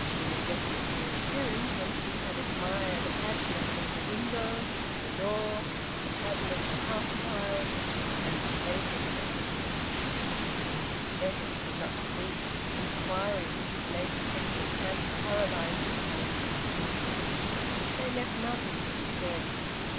she majestically assumed, when she had admired passionately the window, the door, the pattern of the hearth tiles, and the spaciousness. Edwin could not speak. Inquiries of this nature from Mrs Hamps paralysed the tongues of the children. They left nothing to be said.